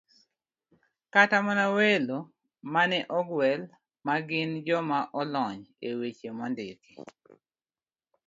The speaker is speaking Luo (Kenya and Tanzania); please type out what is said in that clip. Kata mana welo ma ne ogwel, ma gin joma olony e weche mondiki